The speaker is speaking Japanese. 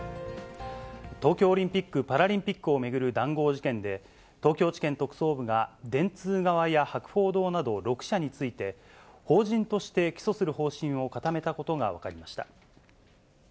東京オリンピック・パラリンピックを巡る談合事件で、東京地検特捜部が、電通側や博報堂など、６社について、法人として起訴する方針を固めたことが分かりました。